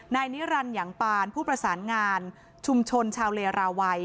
นายนิรันดิ์อย่างปานผู้ประสานงานชุมชนชาวเลราวัย